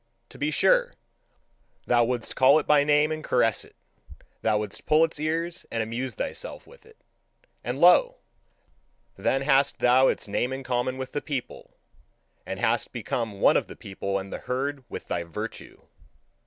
To be sure, thou wouldst call it by name and caress it; thou wouldst pull its ears and amuse thyself with it. And lo! Then hast thou its name in common with the people, and hast become one of the people and the herd with thy virtue!